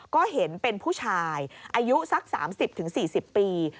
ก็เห็นเป็นผู้ชายอายุสัก๓๐๔๐ปี